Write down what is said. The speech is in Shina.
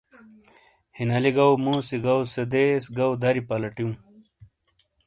ہینالی گو موسی گوسے دیس گو دری پلٹیو۔